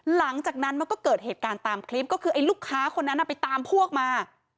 หลังจากนั้นมันก็เกิดเหตุการณ์ตามคลิปก็คือไอ้ลูกค้าคนนั้นไปตามพวกมา